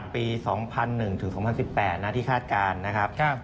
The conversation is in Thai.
ปี๒๐๐๑ถึง๒๐๑๘นะที่คาดการณ์นะครับ